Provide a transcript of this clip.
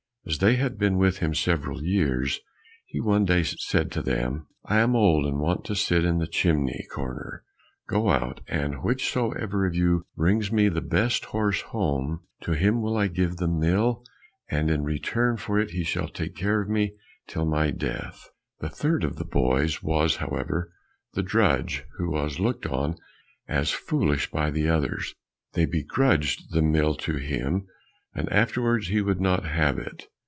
As they had been with him several years, he one day said to them, "I am old, and want to sit in the chimney corner, go out, and whichsoever of you brings me the best horse home, to him will I give the mill, and in return for it he shall take care of me till my death." The third of the boys was, however, the drudge, who was looked on as foolish by the others; they begrudged the mill to him, and afterwards he would not have it.